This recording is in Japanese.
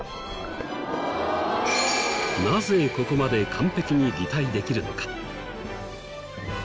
なぜここまで完璧に擬態できるのか？